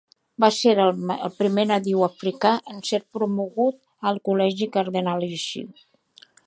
Va ser el primer nadiu africà en ser promogut al Col·legi Cardenalici.